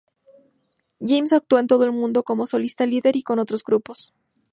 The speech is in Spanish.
James actúa en todo el mundo como solista líder y con otros grupos.